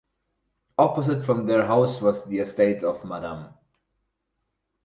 Opposite from their house was the estate of Mme.